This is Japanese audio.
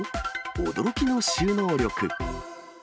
驚きの収納力。